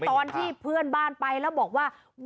ตอนที่เพื่อนบ้านไปแล้วบอกว่า